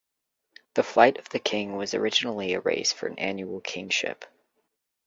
The Flight of the King was originally a race for an annual kingship.